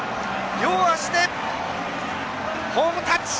両足でホームタッチ。